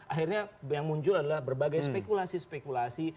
akhirnya yang muncul adalah berbagai spekulasi spekulasi